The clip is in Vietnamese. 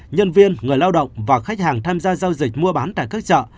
nhân viên người lao động và khách hàng tham gia giao dịch mua bán tại các chợ